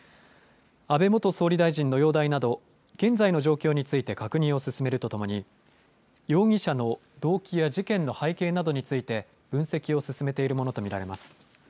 安倍元総理大臣の容体など、現在の状況について確認を進めるとともに、容疑者の動機や事件の背景などについて、分析を進めているものと見られます。